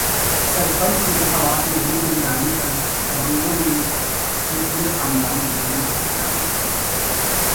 سرپنچ انتخابات میں ووٹ نہیں ڈالنے پر دبنگوں نے کی پورے خاندان کی جم کر پٹائی